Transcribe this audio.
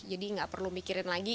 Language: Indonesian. jadi nggak perlu mikirin lagi